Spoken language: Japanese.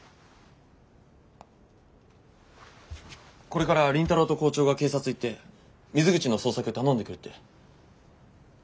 これから倫太郎と校長が警察行って水口の捜索頼んでくるって。